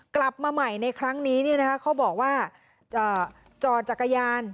กลับมาใหม่ในครั้งนี้เนี่ยนะคะเขาบอกว่าจอจักรยาน